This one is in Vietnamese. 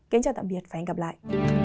kính chào tạm biệt và hẹn gặp lại